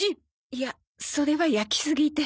いやそれは焼きすぎで。